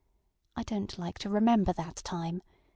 I donŌĆÖt like to remember that time!